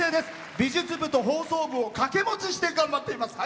美術部と放送部を掛け持ちして頑張っています。